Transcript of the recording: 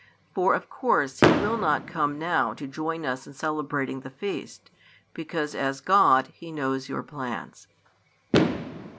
For of course He will not come now to join us in celebrating the feast, because as God He knows your plans."